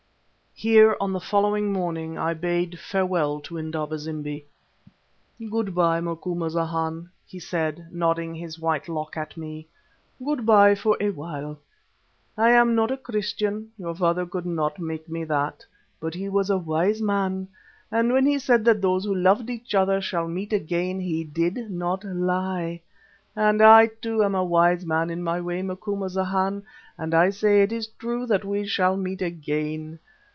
Here on the following morning I bade farewell to Indaba zimbi. "Good bye, Macumazahn," he said, nodding his white lock at me. "Good bye for a while. I am not a Christian; your father could not make me that. But he was a wise man, and when he said that those who loved each other shall meet again, he did not lie. And I too am a wise man in my way, Macumazahn, and I say it is true that we shall meet again.